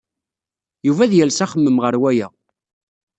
Yuba ad yales axemmem ɣer waya.